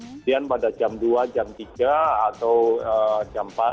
kemudian pada jam dua jam tiga atau jam empat